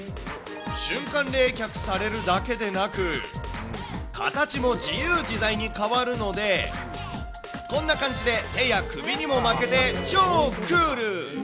瞬間冷却されるだけでなく、形も自由自在に変わるので、こんな感じで手や首にも巻けて、超クール。